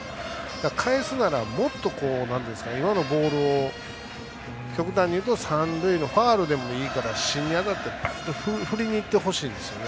返すならもっと今のボールを極端にいうと三塁のファウルでもいいから芯に当たって振りにいってほしいんですね。